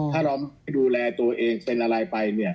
ถ้าเราไม่ดูแลตัวเองเป็นอะไรไป